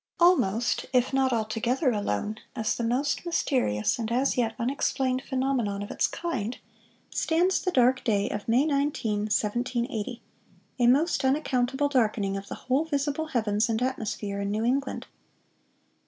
"Almost if not altogether alone, as the most mysterious and as yet unexplained phenomenon of its kind, ... stands the dark day of May 19, 1780,—a most unaccountable darkening of the whole visible heavens and atmosphere in New England."